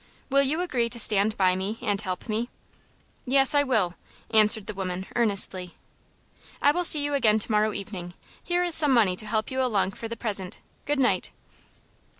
Will you agree to stand by me, and help me?" "Yes, I will," answered the woman, earnestly. "I will see you again to morrow evening. Here is some money to help you along for the present. Good night."